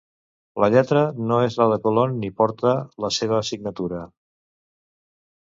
La lletra no és la de Colón ni porta la seva signatura.